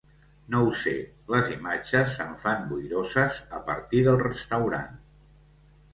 No ho sé, les imatges se'm fan boiroses a partir del restaurant.